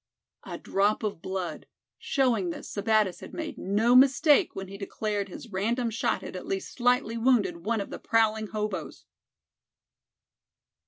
A drop of blood, showing that Sebattis had made no mistake when he declared his random shot had at least slightly wounded one of the prowling hoboes!